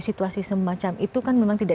situasi semacam itu kan memang tidak